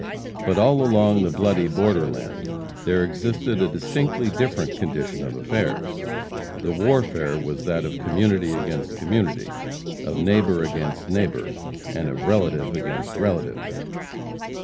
But all along the bloody borderland there existed a distinctly different condition of affairs. The warfare was that of community against community, of neighbor against neighbor, and of relative against relative.